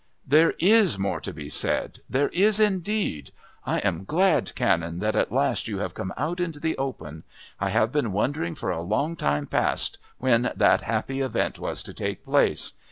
"There is more to be said. There is indeed. I am glad, Canon, that at last you have come out into the open. I have been wondering for a long time past when that happy event was to take place.